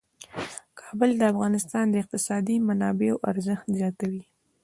کابل د افغانستان د اقتصادي منابعو ارزښت زیاتوي.